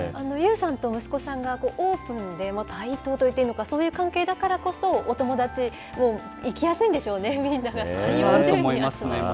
ＹＯＵさんと息子さんがオープンで、対等と言っていいのか、そういう関係だからこそ、お友達も行きやそうだと思いますね。